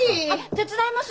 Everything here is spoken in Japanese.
手伝います。